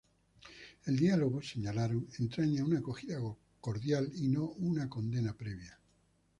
El diálogo, señalaron, entraña una acogida cordial y no una condena previa.